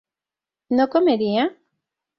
¿no comería?